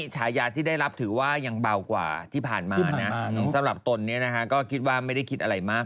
ฉายาที่ได้รับถือว่ายังเบากว่าที่ผ่านมานะสำหรับตนเนี่ยนะฮะก็คิดว่าไม่ได้คิดอะไรมาก